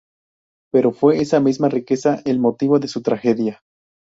Pero fue esa misma riqueza el motivo de su tragedia.